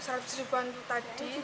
seratus ribuan itu tadi